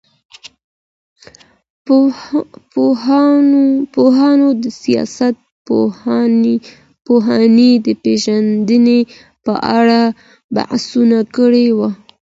پوهانو د سياست پوهني د پېژندني په اړه بحثونه کړي وو.